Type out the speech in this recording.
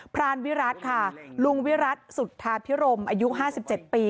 รานวิรัติค่ะลุงวิรัติสุธาพิรมอายุ๕๗ปี